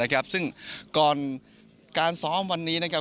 ซึ่งก่อนการซ้อมวันนี้นะครับ